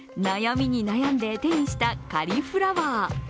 悩みに悩んで手にしたカリフラワー。